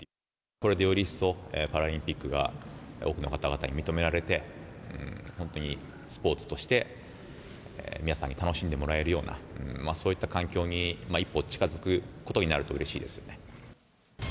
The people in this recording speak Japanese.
これでより一層、パラリンピックが多くの方々に認められて、本当にスポーツとして皆さんに楽しんでもらえるような、そういった環境に一歩近づくことになるとうれしいですよね。